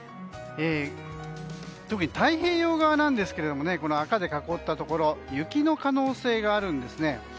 特に太平洋側ですけども赤で囲ったところ雪の可能性があるんですね。